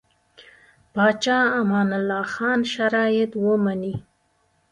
پاچا امان الله خان شرایط ومني.